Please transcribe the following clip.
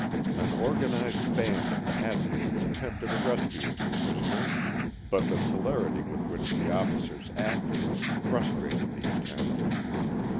An organized band of the Hatfields attempted a rescue of the prisoners, but the celerity with which the officers acted, frustrated the attempt.